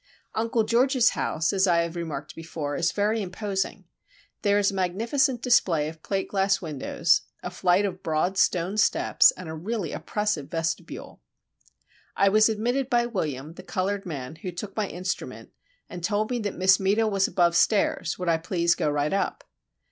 Uncle George's house, as I have remarked before, is very imposing. There is a magnificent display of plate glass windows, a flight of broad stone steps, and a really oppressive vestibule. I was admitted by William, the coloured man, who took my instrument, and told me that "Miss Meta was above stairs; would I please go right up?"